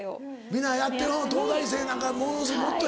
皆やってる東大生なんかもっと。